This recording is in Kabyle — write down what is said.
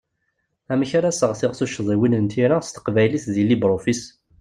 Amek ara seɣtiɣ tuccḍiwin n tira s teqbaylit di LibreOffice?